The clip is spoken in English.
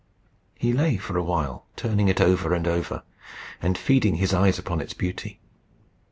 He lay for a while, turning it over and over, and feeding his eyes upon its beauty.